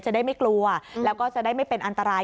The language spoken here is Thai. จะได้ไม่กลัวแล้วก็จะได้ไม่เป็นอันตราย